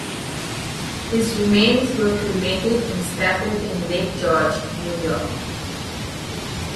His remains were cremated and scattered in Lake George, New York.